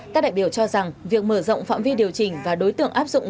các đại biểu cho rằng việc mở rộng phạm vi điều chỉnh và đối tượng áp dụng